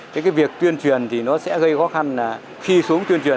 thế cái việc tuyên truyền thì nó sẽ gây khó khăn là khi xuống tuyên truyền